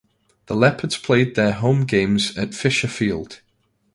The Leopards played their home games at Fisher Field.